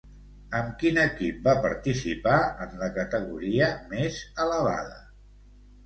Amb quin equip va participar en la categoria més elevada?